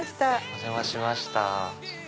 お邪魔しました。